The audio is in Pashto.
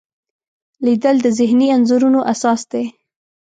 لیدل د ذهني انځورونو اساس دی